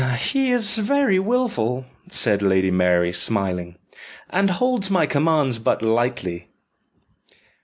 "He is very wilful," said Lady Mary, smiling, "and holds my commands but lightly."